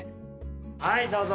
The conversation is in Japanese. はいどうぞ。